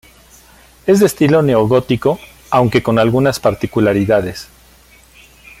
Es de estilo neogótico, aunque con algunas particularidades.